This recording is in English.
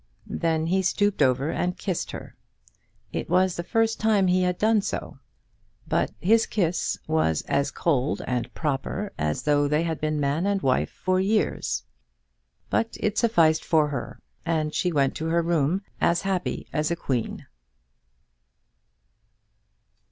Then he stooped over her and kissed her. It was the first time he had done so; but his kiss was as cold and proper as though they had been man and wife for years! But it sufficed for her, and she went to her room as happy as a queen.